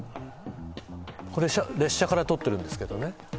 列車から撮ってるんですけどね